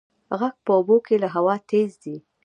غږ په اوبو کې له هوا تېز ځي.